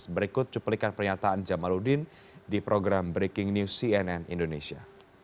berikut cuplikan pernyataan jamaludin di program breaking news cnn indonesia